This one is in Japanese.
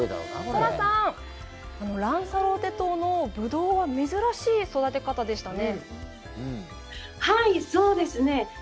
ソラさん、ランサローテ島のブドウは珍しい育て方でしたね。